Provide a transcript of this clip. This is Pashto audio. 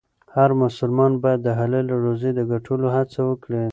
هر مسلمان باید د حلالې روزۍ د ګټلو هڅه وکړي.